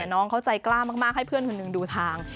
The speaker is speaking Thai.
น้องเขาใจกล้ามากให้เพื่อนคนหนึ่งดูทาง